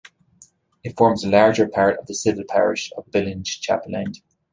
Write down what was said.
It forms the larger part of the civil parish of Billinge Chapel End.